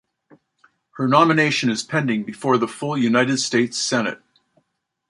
Her nomination is pending before the full United States Senate.